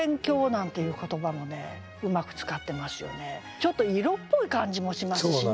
ちょっと色っぽい感じもしますしね。